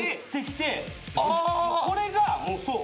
これがもうそう。